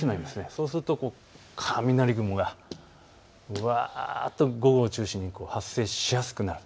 そうすると雷雲が午後を中心に発生しやすくなる。